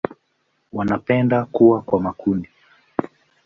Wanapenda kuwa kwa makundi.